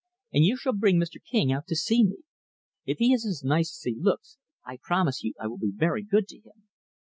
And you shall bring Mr. King out to see me. If he is as nice as he looks, I promise you I will be very good to him.